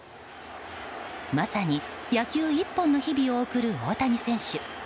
まさに、野球一本の日々を送る大谷選手。